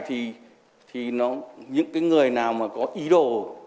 thì những người nào có ý đồ